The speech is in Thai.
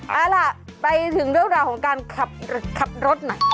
เอาล่ะไปถึงเรื่องราวของการขับรถหน่อย